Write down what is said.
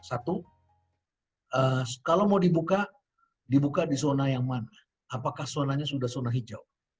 satu kalau mau dibuka dibuka di zona yang mana apakah zonanya sudah zona hijau